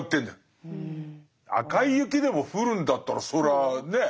赤い雪でも降るんだったらそらぁねえ？